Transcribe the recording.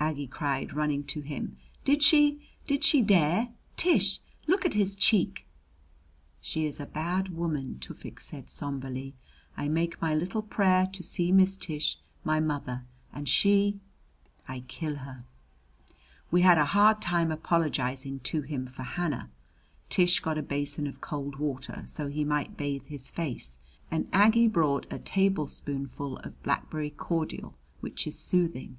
Aggie cried, running to him. "Did she did she dare Tish, look at his cheek!" "She is a bad woman!" Tufik said somberly. "I make my little prayer to see Miss Tish, my mother, and she I kill her!" We had a hard time apologizing to him for Hanna. Tish got a basin of cold water so he might bathe his face; and Aggie brought a tablespoonful of blackberry cordial, which is soothing.